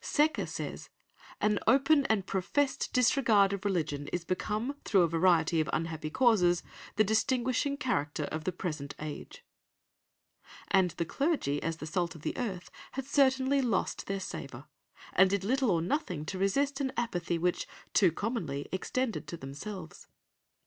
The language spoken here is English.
Secker says, "An open and professed disregard of religion is become, through a variety of unhappy causes, the distinguishing character of the present age"; and the clergy, as the salt of the earth, had certainly lost their savour, and did little or nothing to resist an apathy which, too commonly, extended to themselves.